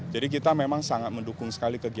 jadi kita memang sangat mendukung sekali kegiatan kegiatan